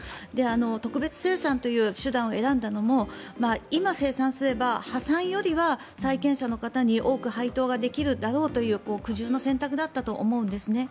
特別清算という手段を選んだのも今、生産すれば破産よりは債権者の方に多く配当ができるだろうという苦渋の選択だったと思うんですね。